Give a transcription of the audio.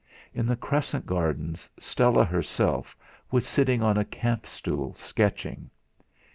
In the Crescent gardens Stella herself was sitting on a camp stool, sketching.